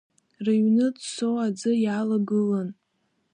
Рыҩны ӡсо аӡы иалагылан.